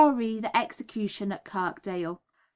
_ Re the Execution at Kirkdale.